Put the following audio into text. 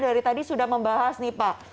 dari tadi sudah membahas nih pak